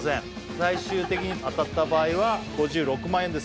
最終的に当たった場合は５６万円です